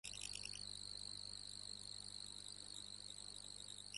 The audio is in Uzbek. Chunki choyxonaga ketaverishda gumma sotiladi